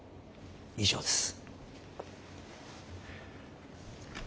以上です。